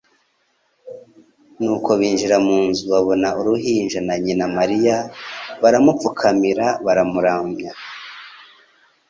"Nuko binjira mu nzu babona uruhinja na nyina Mariya, "Baramupfukamira baramuramva".